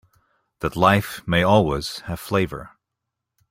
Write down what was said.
That life may always have flavor.